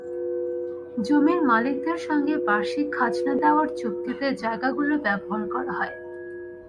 জমির মালিকদের সঙ্গে বার্ষিক খাজনা দেওয়ার চুক্তিতে জায়গাগুলো ব্যবহার করা হয়।